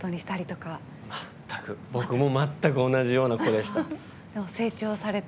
僕も同じような子でした。